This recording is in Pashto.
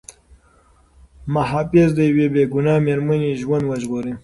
محافظ د یوې بې ګناه مېرمنې ژوند وژغوره.